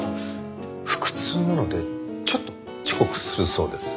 腹痛なのでちょっと遅刻するそうです。